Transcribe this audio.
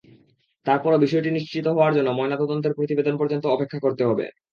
তারপরও বিষয়টি নিশ্চিত হওয়ার জন্য ময়নাতদন্তের প্রতিবেদন পর্যন্ত অপেক্ষা করতে হবে।